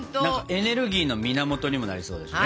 エネルギーの源にもなりそうだしね。